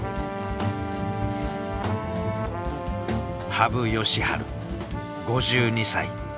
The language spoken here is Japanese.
羽生善治５２歳。